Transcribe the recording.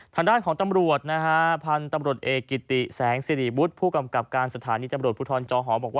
ทางด้านของตำรวจ